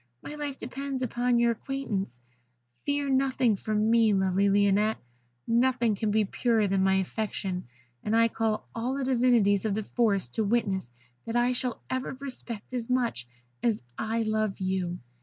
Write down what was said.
My life depends upon your acquiescence. Fear nothing from me, lovely Lionette; nothing can be purer than my affection, and I call all the divinities of the forest to witness that I shall ever respect as much as I love you.'